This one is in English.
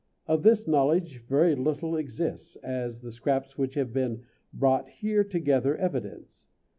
Of this knowledge very little exists, as the scraps which have been here brought together evidence.